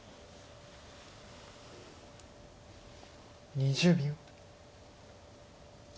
２０秒。